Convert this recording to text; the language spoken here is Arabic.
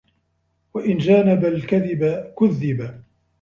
وَإِنْ جَانَبَ الْكَذِبَ كُذِّبَ